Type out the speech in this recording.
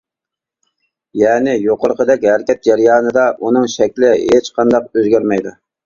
يەنى، يۇقىرىدەك ھەرىكەت جەريانىدا ئۇنىڭ شەكلى ھېچ قانداق ئۆزگەرمەيدۇ.